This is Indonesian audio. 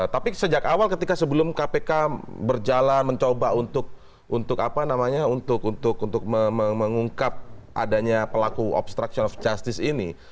tapi sejak awal ketika sebelum kpk berjalan mencoba untuk mengungkap adanya pelaku obstruction of justice ini